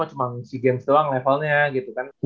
cuma sea games doang levelnya gitu kan